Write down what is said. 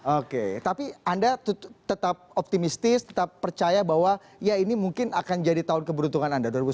oke tapi anda tetap optimistis tetap percaya bahwa ya ini mungkin akan jadi tahun keberuntungan anda dua ribu sembilan belas